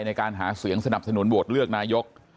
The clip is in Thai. ในการหาเสียงสนับสนุนโหวตเลือกนายก